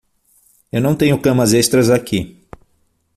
Eu não tenho camas extras aqui.